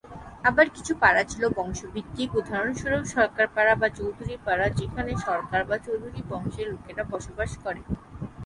আবার কিছু পাড়া ছিল বংশ ভিত্তিক; উদাহরণস্বরুপ, সরকার পাড়া বা চৌধুরী পাড়া যেখানে সরকার বা চৌধুরী বংশের লোকেরা বসবাস করে।